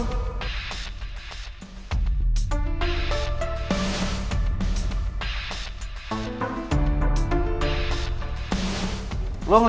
gak boleh ketawa